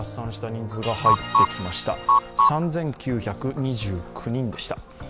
３９２９人でした。